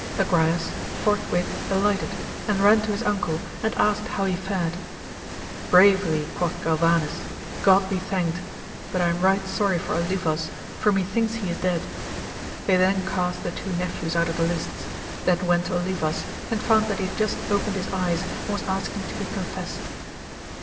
Agrayes forthwith alighted, and ran to his uncle, and asked how he fared. Bravely, quoth Galvanes, God be thanked ! but I am right sorry for Olivas, for methinks he is dead. They thei^xiaiL the two nejiVxev^^ o\x\»Qi^^\:^^v^*vH>L^"c^^^sc^\Kk^cs^ 'AMADIS OF GAUL. 215 and found that he had just opened his eyes, and was asking to be confessed.